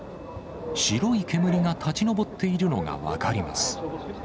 白い煙が立ち上っているのが分かります。